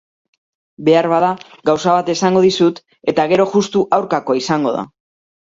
Beharbada gauza bat esango dizut eta gero justu aurkakoa izango da.